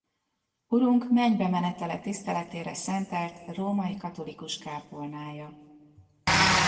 Urunk mennybemenetele tiszteletére szentelt római katolikus kápolnája.